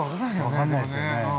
わかんないですよね。